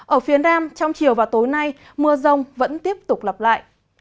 ở phía nam trong chiều và tối nay mưa rông vẫn tiếp tục lặp lại